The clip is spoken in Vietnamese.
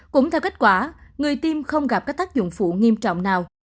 cũng theo kết quả người tiêm không gặp các tác dụng phụ nghiêm trọng nào